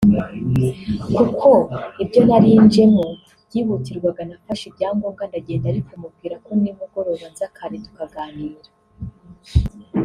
Kuko ibyo nari nje mo byihutirwaga nafashe ibyangombwa ndagenda ariko mubwira ko nimugoroba nza kare tukaganira